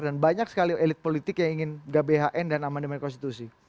dan banyak sekali elit politik yang ingin gbhn dan amandemen konstitusi